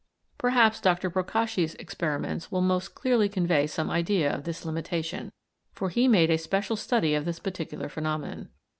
Perhaps Dr. Procacci's experiments will most clearly convey some idea of this limitation, for he made a special study of this particular phenomenon.